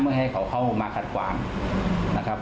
ไม่ให้เขาเข้ามาขัดขวาง